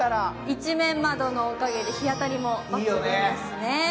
一面窓のおかげで日当たりも抜群ですね。